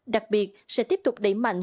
đặc biệt sẽ tiếp tục đẩy mạnh